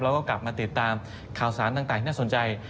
แล้วก็กลับมาติดตามข่าวสารต่างที่น่าสนใจ